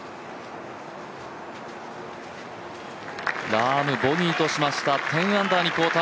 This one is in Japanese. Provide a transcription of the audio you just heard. ラーム、ボギーとしました、１０アンダーに後退。